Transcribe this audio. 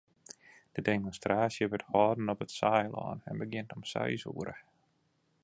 De demonstraasje wurdt hâlden op it Saailân en begjint om seis oere.